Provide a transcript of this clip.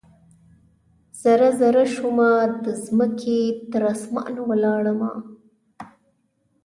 ذره ، ذره شومه د مځکې، تراسمان ولاړمه